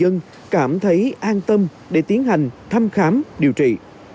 các bệnh viện cảm thấy an tâm để tiến hành thăm khám điều trị